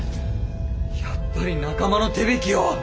やっぱり仲間の手引きを。